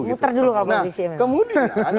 muter dulu kalau kondisi ini nah kemudian